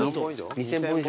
２，０００本以上。